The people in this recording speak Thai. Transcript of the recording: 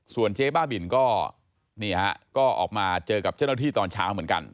ส่วนเจ๊บ้าบินก็นี่ฮะก็ออกมาเจอกับเจ้าหน้าที่ตอนเช้าเหมือนกัน